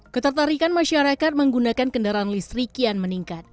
ketertarikan masyarakat menggunakan kendaraan listrik kian meningkat